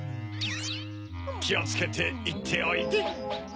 きをつけていっておいで。